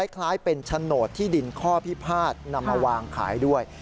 คล้ายเป็นโฉนดที่ดินข้อพิพาทนำมาวางขายด้วย